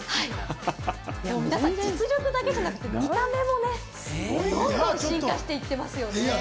皆さん、実力だけじゃなくて見た目もね、どんどん進化していってますよね。